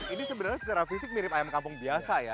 ini sebenarnya secara fisik mirip ayam kampung biasa ya